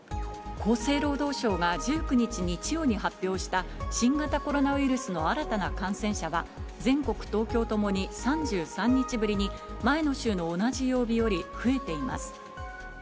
厚生労働省が１９日日曜に発表した新型コロナウイルスの新たな感染者は、全国、東京ともに３３日ぶりに、前の週の同じ曜日より増えています。